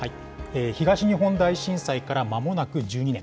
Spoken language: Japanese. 東日本大震災からまもなく１２年。